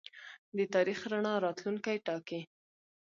د تاریخ رڼا راتلونکی ټاکي.